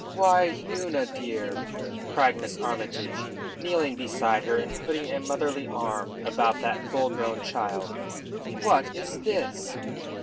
"Why, Una dear," cried Miss Armytage, kneeling beside her and putting a motherly arm about that full grown child, "what is this?"